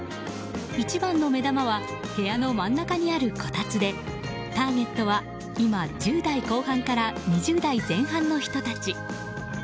一番の目玉は部屋の真ん中にあるこたつでターゲットは今１０代から後半から２０代前半の人たち。